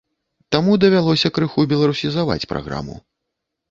Таму давялося крыху беларусізаваць праграму.